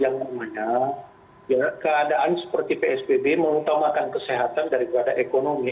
yang namanya keadaan seperti psbb mengutamakan kesehatan daripada ekonomi